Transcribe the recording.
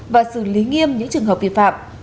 và xử lý nghiêm những trường hợp vi phạm